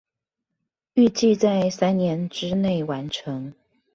預計在三年之內完成